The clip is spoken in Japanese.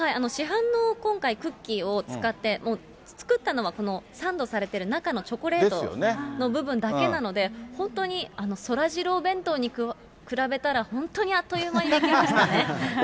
市販の、今回クッキーを使って、もう作ったのはこのサンドされてる中のチョコレートの部分だけなので、本当にそらジロー弁当に比べたら、本当にあっという間に出来ましたね。